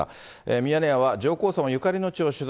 ミヤネ屋は、上皇さまゆかりの地を取材。